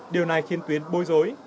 điều này khiến tuyến bối rối